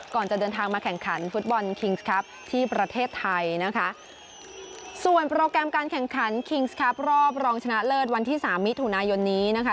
ก่อนจะเดินทางมาแข่งขันฟุตบอลคิงส์ครับที่ประเทศไทยนะคะส่วนโปรแกรมการแข่งขันคิงส์ครับรอบรองชนะเลิศวันที่สามมิถุนายนนี้นะคะ